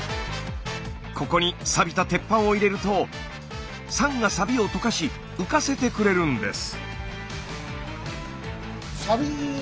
ここにサビた鉄板を入れると酸がサビを溶かし浮かせてくれるんです。